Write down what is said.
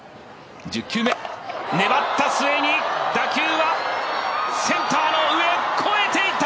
粘った末に打球は、センターの上を越えていった！